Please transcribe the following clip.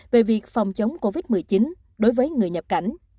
về việc phòng chống covid một mươi chín đối với người nhập cảnh